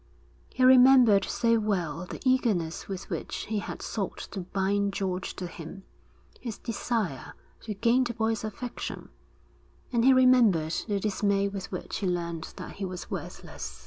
He remembered so well the eagerness with which he had sought to bind George to him, his desire to gain the boy's affection; and he remembered the dismay with which he learned that he was worthless.